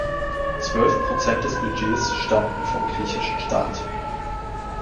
Zwölf Prozent des Budgets stammten vom griechischen Staat.